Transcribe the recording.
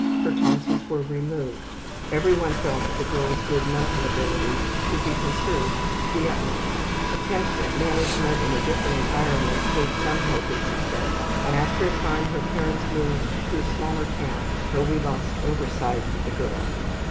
Her tonsils were removed. Every one felt that the girl's good mental abilities should be conserved to the utmost. Attempts at management in a different environment gave some hope of success, and after a time her parents moved to a smaller town, when we lost oversight of the girl.